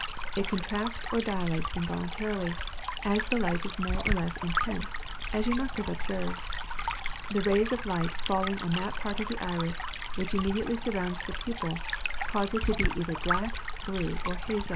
It contracts or dilates involuntarily, as the light is more or less intense, as you must have observed. The rays of light falling on that part of the iris which immediately surrounds the pupil, cause it to be either black, blue, or hazel.